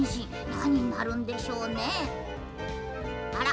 なにになるんでしょうね。